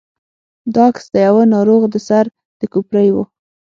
دا عکس د يوه ناروغ د سر د کوپړۍ و.